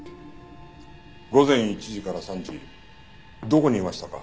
午前１時から３時どこにいましたか？